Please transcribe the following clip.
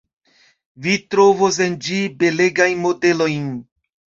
Vi trovos en ĝi belegajn modelojn.